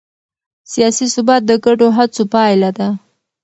سیاسي ثبات د ګډو هڅو پایله ده